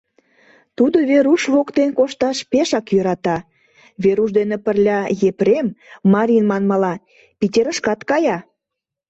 Тудо Веруш воктен кошташ пешак йӧрата, Веруш дене пырля Епрем, марий манмыла, Питерышкат кая.